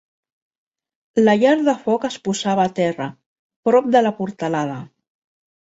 La llar de foc es posava a terra, prop de la portalada.